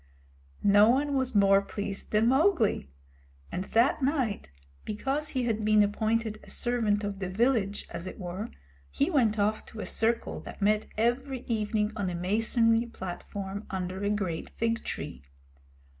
No one was more pleased than Mowgli; and that night, because he had been appointed a servant of the village, as it were, he went off to a circle that met every evening on a masonry platform under a great fig tree.